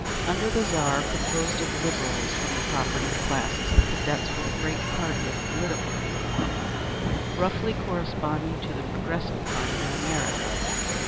Under the Tsar composed of Liberals from the propertied classes, the Cadets were the great party of political reform, roughly corresponding to the Progressive Party in America.